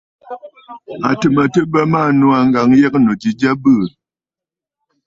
À tɨ̀ mə tɨ bə maa nòò aa, ŋ̀gǎŋyəgə̂nnù ji jya ɨ bɨɨ̀.